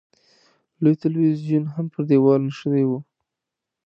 لوی تلویزیون هم پر دېوال نښتی و.